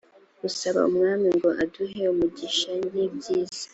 gusaba umwami ngo aduhe umugisha nibyiza